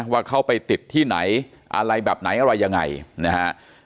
ว่าเขาไปติดที่ไหนอะไรแบบไหนอะไรยังไงนะฮะ